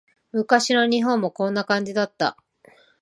昔の日本もこんな感じだった